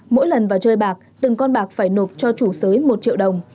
mỗi lần vào chơi bạc từng con bạc phải nộp cho chủ sới một triệu đồng